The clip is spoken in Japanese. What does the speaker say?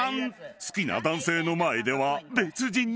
好きな男性の前では別人に］